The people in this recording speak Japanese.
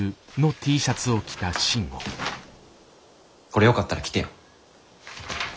これよかったら来てよ。